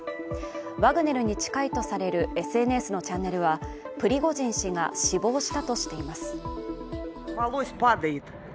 ワグネルに近いとされるＳＮＳのチャンネルは、プリゴジン氏が死亡したとしています。